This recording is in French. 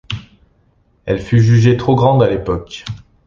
Elle fut jugée trop grande à l’époque.